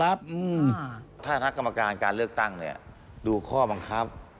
ถ้าถ้านักกรรมการการเลือกตั้งดูข้อบังคับ